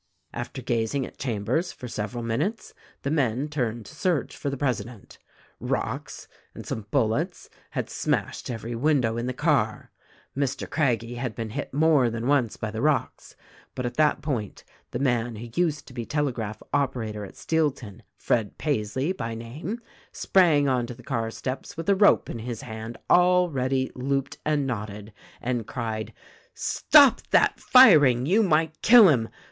"After gazing at Chambers for several minutes the men turned to search for the president. Rocks and some bullets had smashed every window in the car. Mr. Craggie had been hit more than once by the rocks, but at that point the man who used to be telegraph operator at Steelton, Fred Paisley, by name, sprang on to the car steps with a rope in his hand all ready looped and knotted, and cried, 'Stop that firing ; you might kill him.